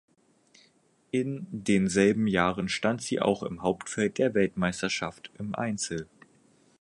In denselben Jahren stand sie auch im Hauptfeld der Weltmeisterschaft im Einzel.